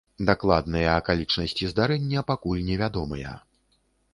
Дакладныя акалічнасці здарэння пакуль невядомыя.